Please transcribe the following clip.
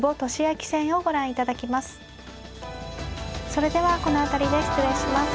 それではこの辺りで失礼します。